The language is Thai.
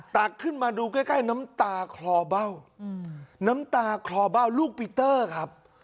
ตักขึ้นมาดูใกล้น้ำตาคลอเบ้าน้ำตาคลอเบ้าลูกปีเตอร์ครับ